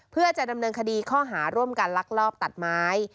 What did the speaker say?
เพื่อจะดำเนินคดีข้อหาร่วมกันลักลอบตัดไม้